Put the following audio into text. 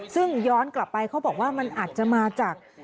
ซึ่งย้อนกลับไปเขาบอกว่ามันอาจจะมาจาก